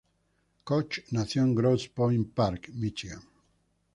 Koch nació en Grosse Pointe Park, Míchigan.